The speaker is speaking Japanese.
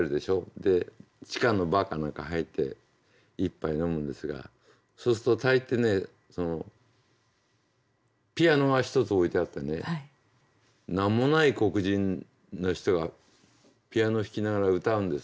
で地下のバーか何か入って一杯飲むんですがそうすると大抵ねピアノが一つ置いてあってね名もない黒人の人がピアノ弾きながら歌うんです。